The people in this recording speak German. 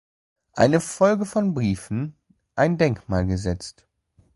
Eine Folge von Briefen" ein Denkmal gesetzt.